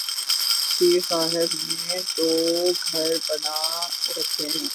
پیر صاحب نے دوگھر بنا رکھے ہیں۔